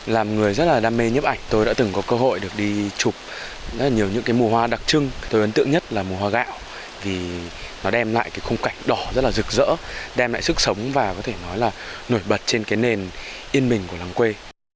làm người rất là đam mê nhấp ảnh tôi đã từng có cơ hội được đi chụp rất là nhiều những cái mùa hoa đặc trưng tôi ấn tượng nhất là mùa hoa gạo vì nó đem lại cái khung cảnh đỏ rất là rực rỡ đem lại sức sống và có thể nói là nổi bật trên cái nền yên bình của làng quê